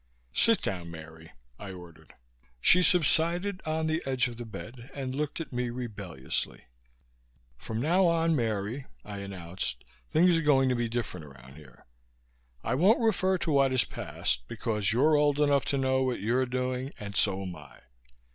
"Sit down, Mary!" I ordered. She subsided on the edge of the bed and looked at me rebelliously. "From now on, Mary," I announced, "things are going to be different around here. I won't refer to what is past, because you're old enough to know what you're doing and so am I.